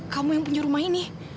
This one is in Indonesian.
kamu yang punya rumah ini